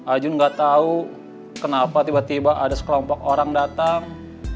ajun nggak tahu kenapa tiba tiba ada sekelompok orang datang